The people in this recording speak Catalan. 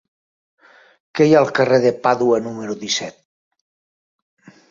Què hi ha al carrer de Pàdua número disset?